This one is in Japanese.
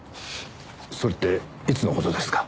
それっていつの事ですか？